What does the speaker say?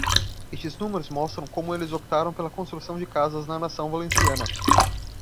Estes números mostram como eles optaram pela construção de casas na nação valenciana.